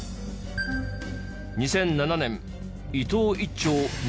２００７年伊藤一長